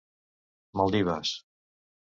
Maldives.